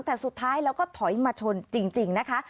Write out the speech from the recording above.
แต่สุดท้ายแล้วก็ถอยมาชนจริงนะคะ